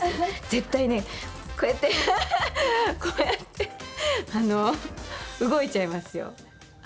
絶対ね、こうやって、こうやってあの、動いちゃいますよ、はい。